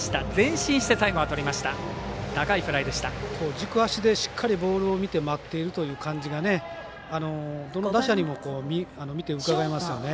軸足でしっかりボールを見て待っているという感じがどの打者にも見てうかがえますよね。